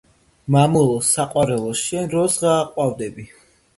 მამულო საყვარელო შენ როსღა აყვავდები